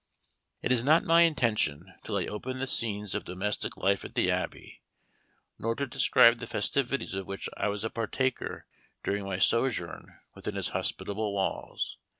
It is not my intention to lay open the scenes of domestic life at the Abbey, nor to describe the festivities of which I was a partaker during my sojourn within its hospitable walls.